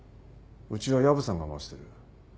うちは薮さんが回してる。